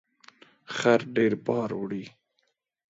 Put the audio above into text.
خر ډیر بار وړي